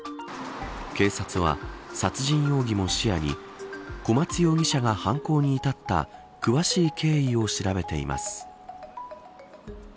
警察は、殺人容疑も視野に小松容疑者が犯行に至った詳しい経緯を調べています。